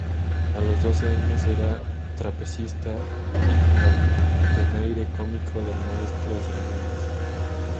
A los doce años era trapecista y partenaire cómico del maestro de ceremonias.